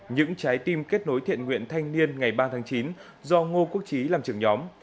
những trái tim kết nối thiện nguyện thanh niên ngày ba tháng chín do ngô quốc trí làm trưởng nhóm